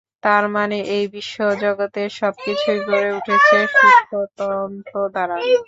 তার মানে, এই বিশ্বজগতের সবকিছুই গড়ে উঠেছে সূক্ষ্ম তন্তু দ্বারা।